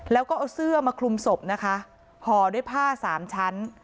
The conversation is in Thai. แล้วก็เอาเสื้อมาคลุมศพนะคะห่อด้วยผ้าสามชั้น